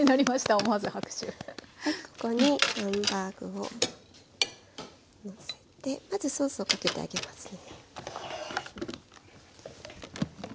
ここにハンバーグをのせてまずソースをかけてあげますね。